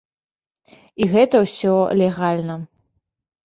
І гэта ўсё легальна.